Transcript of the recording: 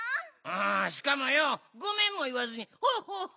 あしかもよう「ごめん」もいわずに「ホホッホ！」